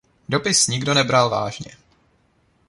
Dopis nikdo nebral vážně.